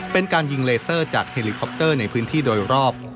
เป็นการยิงเลเซอร์จากเฮลิคอปเตอร์ในพื้นที่โดยรอบ